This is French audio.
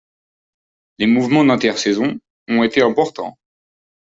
Les mouvements d'inter-saison ont été importants.